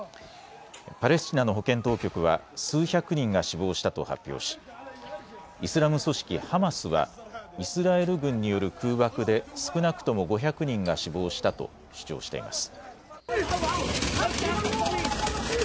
パレスチナの保健当局は数百人が死亡したと発表し、イスラム組織ハマスはイスラエル軍による空爆で少なくとも５００人が死亡したと主張しています。